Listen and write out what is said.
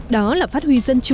đó là phát huy dân chủ